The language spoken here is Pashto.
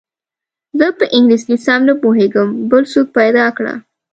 زه په انګلیسي سم نه پوهېږم بل څوک پیدا کړه.